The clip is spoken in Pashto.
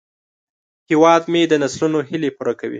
هیواد مې د نسلونو هیلې پوره کوي